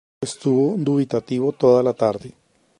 Estuvo dubitativo toda la tarde.